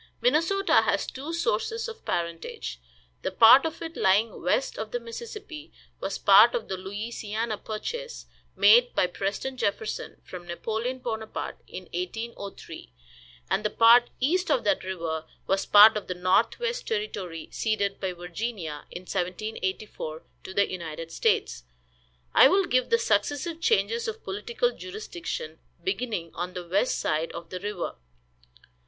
Minnesota has two sources of parentage. The part of it lying west of the Mississippi was part of the Louisiana purchase, made by President Jefferson from Napoleon Bonaparte in 1803, and the part east of that river was part of the Northwest Territory, ceded by Virginia, in 1784, to the United States. I will give the successive changes of political jurisdiction, beginning on the west side of the river.